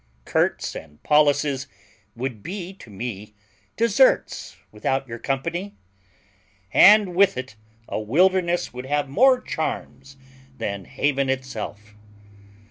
Corts and pallaces would be to me deserts without your kumpany, and with it a wilderness would have more charms than haven itself.